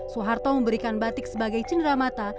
soeharto memberikan batik sebagai cenderamata